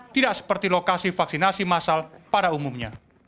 tidak seperti lokasi vaksinasi masal pada umumnya